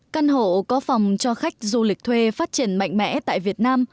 căn hộ có phòng cho khách du lịch thuê phát triển mạnh mẽ tại việt nam